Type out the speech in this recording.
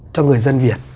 cho người dân việt